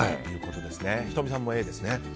仁美さんもＡですね。